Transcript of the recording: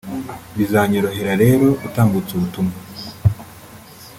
bizanyorohera rero gutambutsa ubutumwa